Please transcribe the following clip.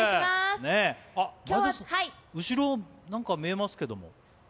後ろ、何か見えますけれども？